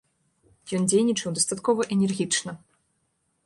Ён дзейнічаў дастаткова энергічна.